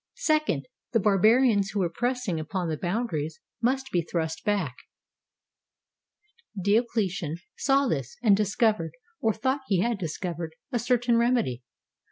Second, the barbarians who were pressing upon the boundaries must be thrust back. Diocletian saw this, and discovered, or thought he had discovered, a certain remedy.